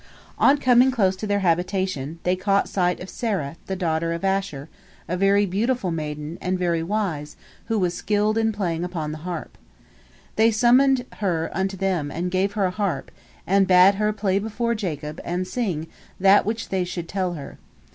On coming close to their habitation, they caught sight of Serah, the daughter of Asher, a very beautiful maiden, and very wise, who was skilled in playing upon the harp. They summoned her unto them and gave her a harp, and bade her play before Jacob and sing that which they should tell her.